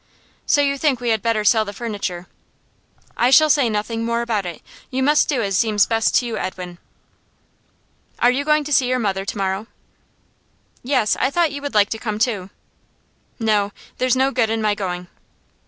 'So you think we had better sell the furniture.' 'I shall say nothing more about it. You must do as seems best to you, Edwin.' 'Are you going to see your mother to morrow?' 'Yes. I thought you would like to come too.' 'No; there's no good in my going.